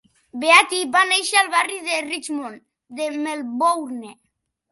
Beattie va néixer al barri de Richmond de Melbourne.